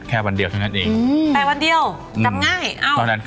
แค่วันเดียวเท่านั้นเองอืมแปดวันเดียวอืมจำง่ายอ้าว